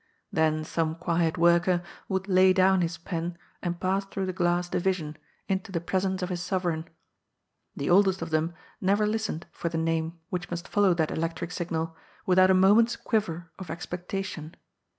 Then some quiet worker would lay down his pen and pass through the glass division, into the presence of his sovereign. The oldest of them never listened for the name which must follow that electric signal without a moment's quiver of expectation.